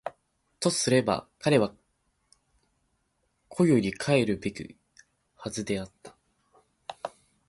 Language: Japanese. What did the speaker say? けれども実際彼の母が病気であるとすれば彼は固より帰るべきはずであった。